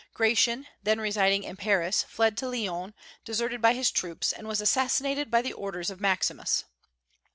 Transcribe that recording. Gratian, then residing in Paris, fled to Lyons, deserted by his troops, and was assassinated by the orders of Maximus.